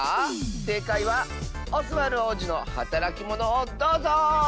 せいかいは「オスワルおうじのはたらきモノ」をどうぞ！